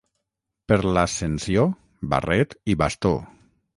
Per l'Ascensió, barret i bastó.